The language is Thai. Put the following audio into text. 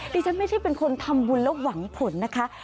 ดิฉันไม่ใช่เป็นคนทำบุญแล้วหวังผลนะคะ